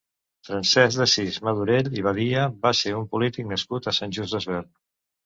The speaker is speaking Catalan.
Francesc d'Assís Madorell i Badia va ser un polític nascut a Sant Just Desvern.